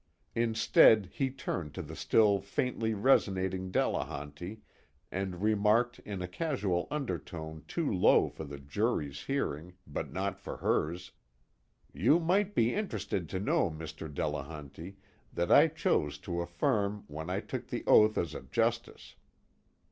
Instead he turned to the still faintly resonating Delehanty and remarked in a casual undertone too low for the jury's hearing but not for hers: "You might be interested to know, Mr. Delehanty, that I chose to affirm when I took the oath as a justice."